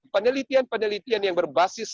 penelitian penelitian yang berbasis